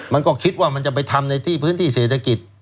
มันก็คิดว่ามันจะไปทำในที่พื้นที่เศรษฐกิจ